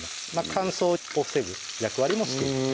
乾燥を防ぐ役割もしています